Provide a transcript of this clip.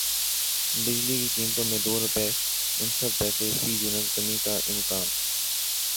بجلی کی قیمتوں میں دو روپے انسٹھ پیسے فی یونٹ کمی کا امکان